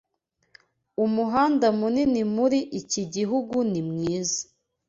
Umuhanda munini muri iki gihugu ni mwiza.